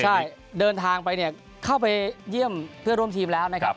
ใช่เดินทางไปเนี่ยเข้าไปเยี่ยมเพื่อนร่วมทีมแล้วนะครับ